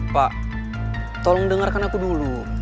pak tolong dengarkan aku dulu